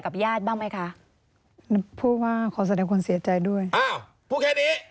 ขอแสดงความเสียใจด้วยอ้าวพูดแค่นี้